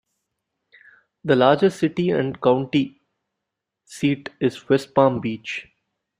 The largest city and county seat is West Palm Beach.